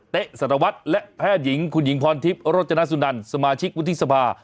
สารวัตรและแพทย์หญิงคุณหญิงพรทิพย์โรจนสุนันสมาชิกวุฒิสภา